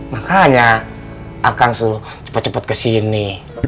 makanya akang suruh cepet cepet kesini